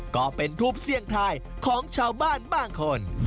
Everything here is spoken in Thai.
ก็เป็นทูปเสี่ยงทายของชาวบ้านบางคน